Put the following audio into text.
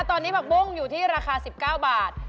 ตอนนี้ผักบุ้งอยู่ที่ราคา๑๙บาท